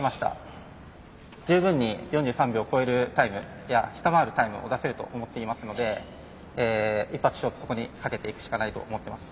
十分に４３秒超えるタイムいや下回るタイムを出せると思っていますので一発勝負そこにかけていくしかないと思ってます。